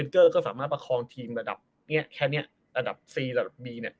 ก็สามารถประคองทีมระดับนี้แค่นี้ระดับฟรีระดับบีเนี่ย